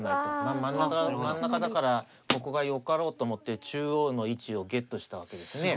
真ん中だからここがよかろうと思って中央の位置をゲットしたわけですね。